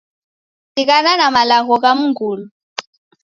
Sighana na malagho gha mngulu.